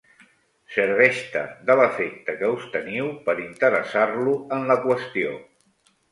Serveix-te de l'afecte que us teniu per interessar-lo en la qüestió.